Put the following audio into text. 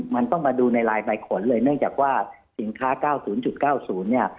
มันต้องมาดูในลายใบขนเลยเนื่องจากว่าสินค้า๙๐๙๐เนี่ย